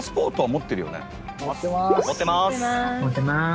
持ってます。